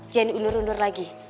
jangan diundur undur lagi